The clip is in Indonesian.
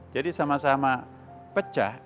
jadi sama sama pecah